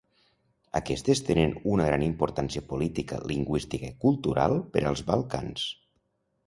Aquestes tenen una gran importància política, lingüística i cultural per als Balcans.